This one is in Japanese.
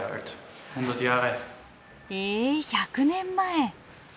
へえ１００年前。